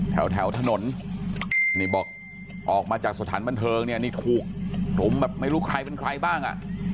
แถวถนนนี่บอกออกมาจากสถานบนเถิงเนี่ยถูกทุ่มแบบไม่รู้เป็นใครบ้าง